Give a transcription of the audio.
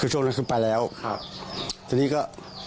ช่วงนั้นขึ้นไปแล้วครับทีนี้ก็